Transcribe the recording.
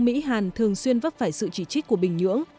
mỹ hàn thường xuyên vấp phải sự chỉ trích của bình nhưỡng